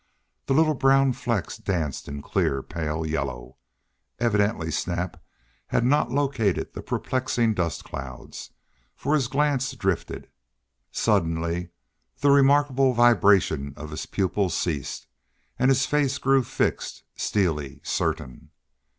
The little brown flecks danced in clear pale yellow. Evidently Snap had not located the perplexing dust clouds, for his glance drifted. Suddenly the remarkable vibration of his pupils ceased, and his glance grew fixed, steely, certain.